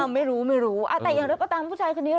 ไม่รู้แต่อย่างนั้นก็ตามผู้ชายคนนี้